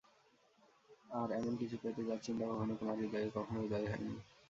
আর এমন কিছু পেতে, যার চিন্তা কখনো তোমার হৃদয়ে কখনো উদয় হয়নি।